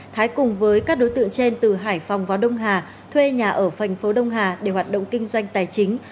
thái cùng với các đối tượng trên từ hải phòng vào đông hà thuê nhà ở thành phố đông hà để hoạt động kinh doanh tài chính